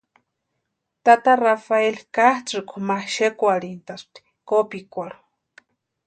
Tata Rafeli katsʼïkwa ma xekwarhintʼaspti kopikwarhu.